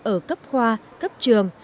ở cấp khoa cấp trường